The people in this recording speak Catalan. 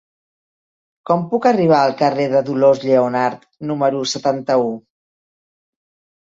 Com puc arribar al carrer de Dolors Lleonart número setanta-u?